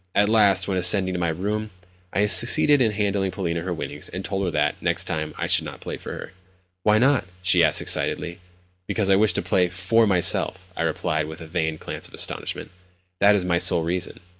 At last, when ascending to my own room, I succeeded in handing Polina her winnings, and told her that, next time, I should not play for her. "Why not?" she asked excitedly. "Because I wish to play for myself," I replied with a feigned glance of astonishment. "That is my sole reason."